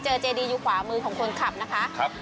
เจอเจดีฮักษ์อยู่ขวามือของคนขับนะคะ